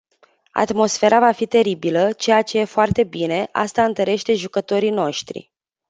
Atmosfera va fi teribilă, ceea ce e foarte bine, asta întărește jucătorii noștri.